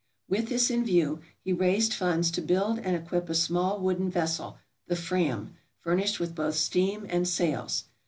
With this in view, he raised funds to build and equip a small wooden vessel, the "Fram," furnished with both steam and sails.